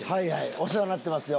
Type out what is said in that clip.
お世話になってますよ。